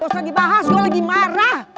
gak usah dibahas gua lagi marah